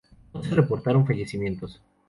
No se reportaron fallecimientos.